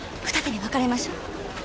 二手に分かれましょう。